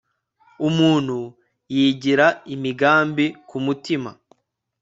umuntu yigira imigambi ku mutima